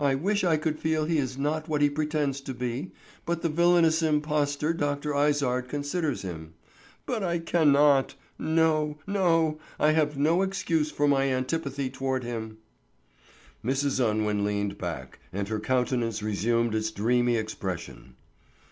"I wish I could feel he is not what he pretends to be, but the villainous impostor Dr. Izard considers him. But I cannot. No, no, I have no such excuse for my antipathy toward him." Mrs. Unwin leaned back, and her countenance resumed its dreamy expression.